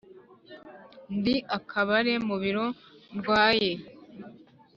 ndi i kabare mu biro ndwaye :